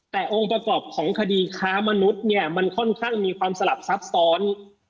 แต่องค์ประกอบของคดีค้ามนุษย์เนี่ยมันค่อนข้างมีความสลับซับซ้อน